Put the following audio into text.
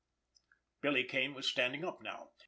Billy Kane was standing up now.